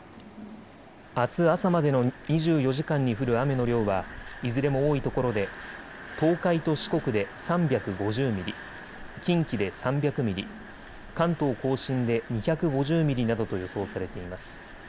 あす朝までの２４時間に降る雨の量はいずれも多いところで東海と四国で３５０ミリ、近畿で３００ミリ、関東甲信で２５０ミリなどと予想されています。